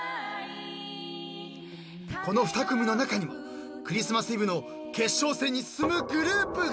［この２組の中にもクリスマスイブの決勝戦に進むグループが！］